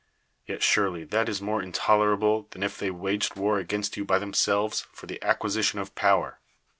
Yet surely that is more intolerahle than if they waged war against you by thi inselves J'or the acfpiisition of iH)\v('r.